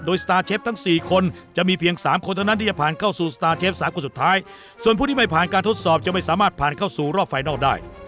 สตาร์เชฟทั้งสี่คนจะมีเพียงสามคนเท่านั้นที่จะผ่านเข้าสู่สตาร์เชฟสามคนสุดท้ายส่วนผู้ที่ไม่ผ่านการทดสอบจะไม่สามารถผ่านเข้าสู่รอบไฟนอลได้